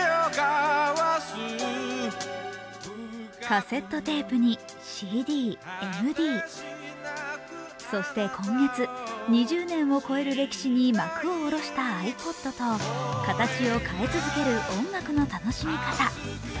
カセットテープにＣＤ、ＭＤそして今月、２０年を超える歴史に幕を下ろしたｉＰｏｄと形を変え続ける音楽の楽しみ方。